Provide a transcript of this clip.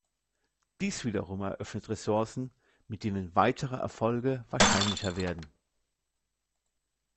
Dies wiederum eröffnet Ressourcen, mit denen weitere Erfolge wahrscheinlicher werden.